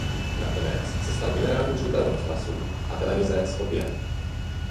Nakonec se stal generálním ředitelem Rozhlasu a televize Skopje.